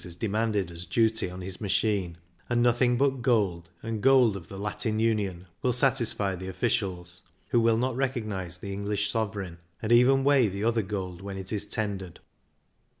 is demanded as duty on his machine, and nothing but gold, and gold of the Latin union, will satisfy the officials, who will not recognise the English sove reign, and even weigh the other gold when it is tendered.